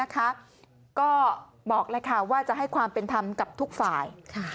ก็บอกแล้วว่าจะให้ความเป็นธรรมกับทุกฝ่าย